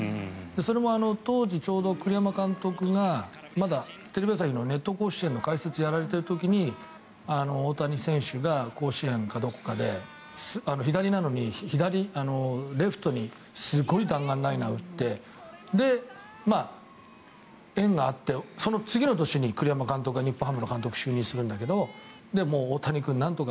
それも当時、ちょうど栗山監督がまだテレビ朝日の「熱闘甲子園」の解説をやられている時に大谷選手が甲子園かどこかで左なのにレフトにすごい弾丸ライナーを打って縁があって、その次の年に栗山監督が日本ハムの監督に就任するんだけど大谷君をなんとか。